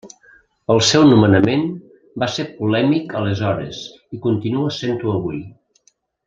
El seu nomenament va ser polèmic aleshores i continua sent-ho avui.